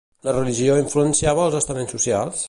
La religió influenciava els estaments socials?